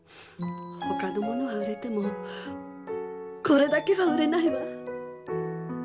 ほかのものは売れてもこれだけは売れないわ。